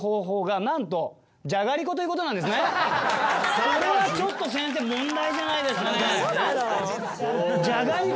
それはちょっと先生問題じゃないですかね？